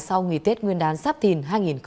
sau nghỉ tết nguyên đán giáp thìn hai nghìn hai mươi bốn